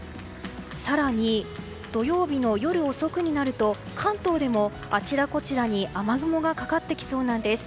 更に、土曜日の夜遅くになると関東でもあちらこちらに雨雲がかかってきそうなんです。